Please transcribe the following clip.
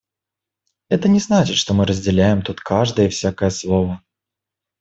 Это не значит, что мы разделяем тут каждое и всякое слово.